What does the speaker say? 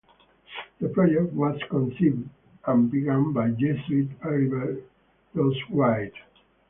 The project was conceived and begun by Jesuit Heribert Rosweyde.